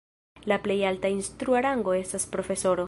La plej alta instrua rango estas profesoro.